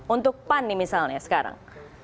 untuk pan nih misalnya sekarang